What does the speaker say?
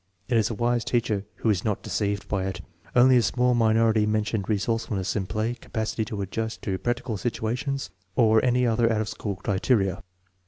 It is a wise teacher who is not deceived by it. Only a small minority mentioned resourcefulness in play, capacity to adjust to practical situations, or any other out of school criteria.